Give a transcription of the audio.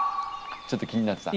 ちょっと気になってた？